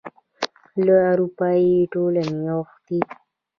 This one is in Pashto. له اروپايي ټولنې غوښتي